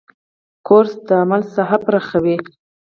کورس د عمل ساحه پراخوي.